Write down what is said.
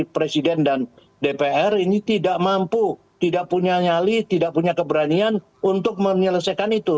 presiden dan dpr ini tidak mampu tidak punya nyali tidak punya keberanian untuk menyelesaikan itu